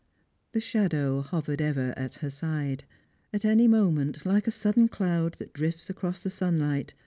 The shadow hovered ever at her side. At any moment, like a sudden cloud that drifts across the sunlight.